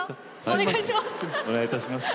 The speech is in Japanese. お願いします！